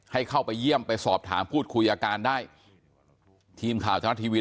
ให้เข้าไปเยี่ยมไปสอบถามพูดคุยอาการได้ทีมข่าวทะลัดทีวี